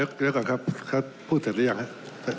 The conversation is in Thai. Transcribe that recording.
เดี๋ยวก่อนครับเขาพูดเสร็จหรือยังครับ